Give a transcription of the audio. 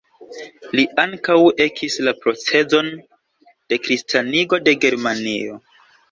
Li ankaŭ ekis la procezon de kristanigo de Germanio.